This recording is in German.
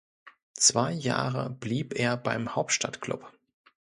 Zwei Jahre blieb er beim Hauptstadtklub.